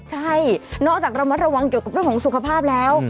ใช่นอกจากระมัดระวังเกี่ยวกับเรื่องของสุขภาพแล้ว